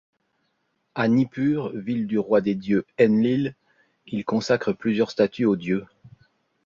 À Nippur, ville du roi des dieux Enlil, il consacre plusieurs statues au dieu.